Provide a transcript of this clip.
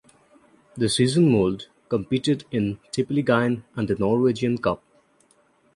This season Molde competed in Tippeligaen and the Norwegian Cup.